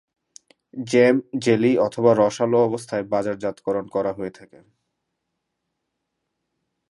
Jam, jelly অথবা রসালো অবস্থায় বাজারজাতকরণ করা হয়ে থাকে।